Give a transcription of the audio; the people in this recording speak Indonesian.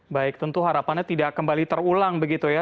baik tentu harapannya tidak kembali terulang begitu ya